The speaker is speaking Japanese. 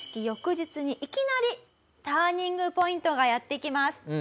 翌日にいきなりターニングポイントがやってきます。